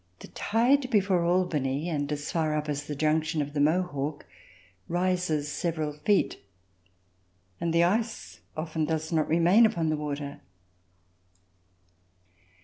The tide before Albany and as far up as the junction of the Mohawk rises several feet and the ice often does not remain upon the water.